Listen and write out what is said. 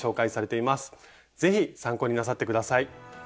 是非参考になさって下さい。